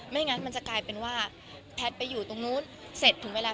งั้นมันจะกลายเป็นว่าแพทย์ไปอยู่ตรงนู้นเสร็จถึงเวลา